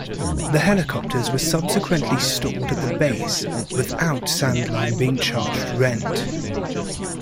The helicopters were subsequently stored at the base, without Sandline being charged rent.